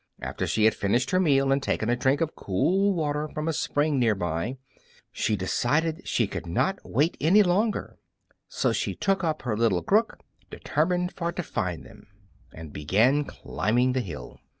After she had finished her meal and taken a drink of cool water from a spring near by, she decided she would not wait any longer. So up she took her little crook, Determined for to find them, and began climbing the hill.